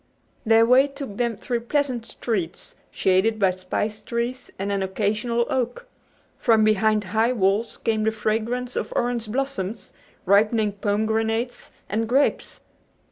Their way took them through pleasant streets shaded by spice trees and an occasional oak. From behind high walls came the fragrance of orange blossoms, ripening pomegranates and grapes.